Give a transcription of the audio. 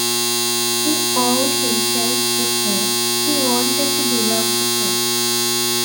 He owed himself to her; he wanted to belong to her.